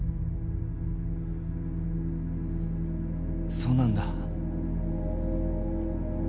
そうなんだ。